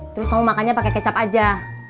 terus kamu makannya pakai kecap aja